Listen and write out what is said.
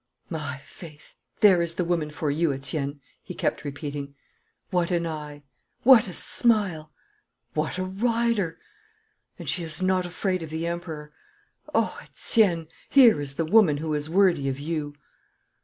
'My faith! There is the woman for you, Etienne!' he kept repeating. 'What an eye! What a smile! What a rider! And she is not afraid of the Emperor. Oh, Etienne, here is the woman who is worthy of you!'